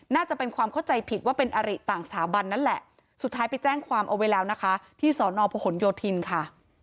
น่าจะเป็นความเข้าใจผิดว่าเป็นอริต่างสถาบันนั่นแหละสุดท้ายไปแจ้งความเอาไว้แล้วนะคะที่สอนอพหนโยธินค่ะ